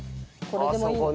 これでもいいの。